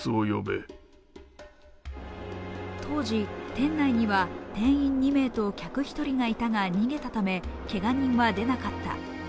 当時、店内には店員２名と客１人がいたが逃げたためけが人は出なかった。